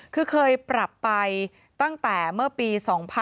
คือเคยปรับไปตั้งแต่เมื่อปี๒๕๕๘